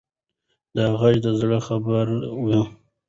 دا غږ د زړه خبره وه.